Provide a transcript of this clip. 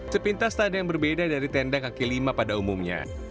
sepintas tak ada yang berbeda dari tenda kaki lima pada umumnya